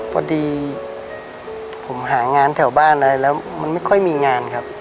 พอดีผมหางานแถวบ้านอะไรแล้วมันไม่ค่อยมีงานครับ